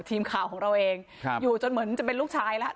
ทีมข่าวของเราเองอยู่จนเหมือนจะเป็นลูกชายแล้ว